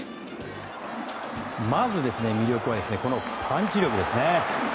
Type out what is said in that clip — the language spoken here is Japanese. まず魅力がこのパンチ力ですね。